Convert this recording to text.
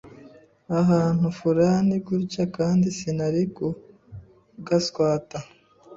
ahantu furani gutya kandi sinari kugaswata